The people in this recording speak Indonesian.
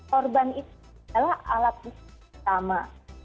korban itu adalah alat bukti utama